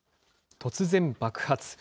突然、爆発。